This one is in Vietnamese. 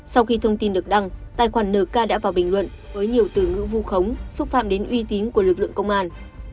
sau khi thông tin được đăng tài khoản nk đã vào bình luận với nhiều từ ngữ vu khống xúc phạm đến uy tín của lực lượng công an